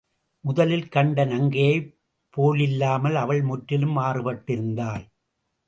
முதலில் கண்ட நங்கையைப் போலில்லாமல் அவள் முற்றிலும் மாறுபட்டிருந்தாள்.